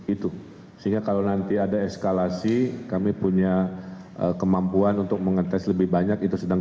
itu sehingga kalau nanti ada eskalasi kami punya kemampuan untuk mengetes lebih banyak itu sedang